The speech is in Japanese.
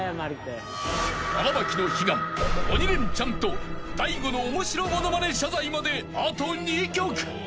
［荒牧の悲願鬼レンチャンと大悟の面白物まね謝罪まであと２曲］